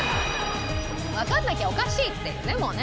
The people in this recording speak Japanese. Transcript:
わかんなきゃおかしいっていうねもうね。